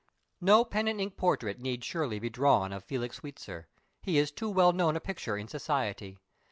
No pen and ink portrait need surely be drawn of Felix Sweetsir he is too well known a picture in society.